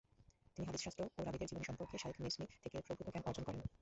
তিনি হাদীসশাস্ত্র ও রাবীদের জীবনী সম্পর্কে শায়খ মিযযী থেকে প্রভূত জ্ঞান অর্জন করেন।